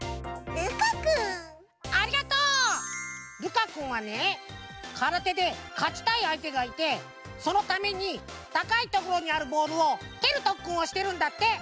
かくんはねからてでかちたいあいてがいてそのためにたかいところにあるボールをけるとっくんをしてるんだって！